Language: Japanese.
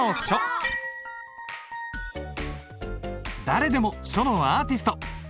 誰でも書のアーティスト！